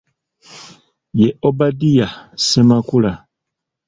Ye Obadiah Ssemakula.